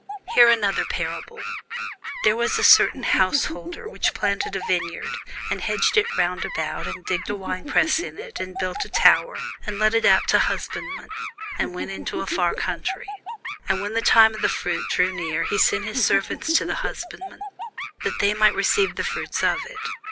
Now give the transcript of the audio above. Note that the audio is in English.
Hear another parable: There was a certain householder, which planted a vineyard, and hedged it round about, and digged a winepress in it, and built a tower, and let it out to husbandmen, and went into a far country: and when the time of the fruit drew near, he sent his servants to the husbandmen, that they might receive the fruits of it.